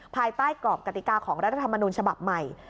ภายใต้กรอบกติกาของรัฐธรรมนูญฉบับใหม่